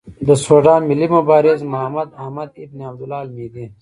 د سوډان ملي مبارز محمداحمد ابن عبدالله المهدي.